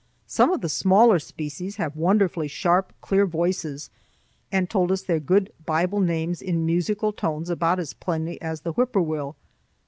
Some of the smaller species have wonderfully clear, sharp voices and told us their good Bible names in musical tones about as plainly as the whip poor will.